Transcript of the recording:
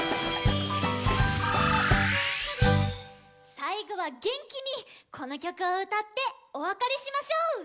さいごはげんきにこのきょくをうたっておわかれしましょう！